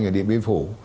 ở địa biên phủ